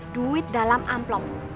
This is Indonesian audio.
duit dalam amplop